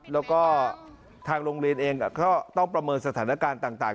แล้วก็ทางโรงเรียนเองก็ต้องประเมินสถานการณ์ต่าง